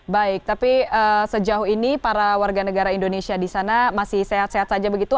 baik tapi sejauh ini para warga negara indonesia di sana masih sehat sehat saja begitu